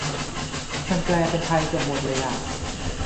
มันแปลเป็นไทยเกือบหมดเลยอ่ะ